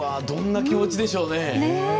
どんな気持ちでしょうね。